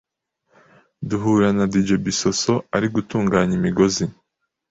duhura na Dj Bisosso ari gutunganya imigozi